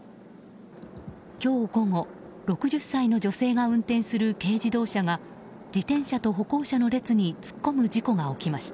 今日午後、６０歳の女性が運転する軽自動車が自転車と歩行者の列に突っ込む事故が起きました。